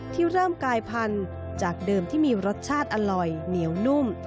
ที่เริ่มกายพันธุ์จากเดิมที่มีรสชาติอร่อยเหนียวนุ่ม